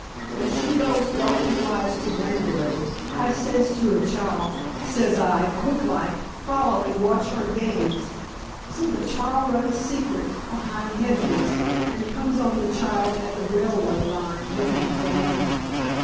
When she goes donkey wise to Wanbury, I says to a chal, says I, quick like, 'Follow and watch her games!' So the chal runs secret, behind hedges, and comes on the child at the railway line making for Lundra.